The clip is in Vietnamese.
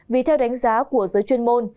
vì theo đánh giá của giới chuyên môn